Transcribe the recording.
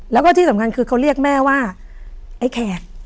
แล้วก็ที่สำคัญคือเขาเรียกแม่ว่าไอ้แขก